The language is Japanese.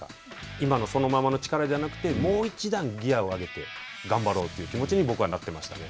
今のそのままの力じゃなくて、もう一段ギアを上げて、頑張ろうという気持ちに僕はなっていましたね。